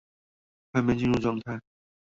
還沒進入狀況